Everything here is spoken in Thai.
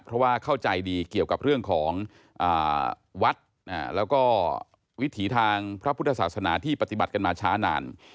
เพราะว่าเข้าใจดีเกี่ยวกับเรื่องของวัดแล้วก็วิถีทางพระพุทธศาสนาที่ปฏิบัติกันมาช้านาน